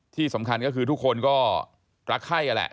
ที่สำคัญก็คือทุกคนก็รักไข้นั่นแหละ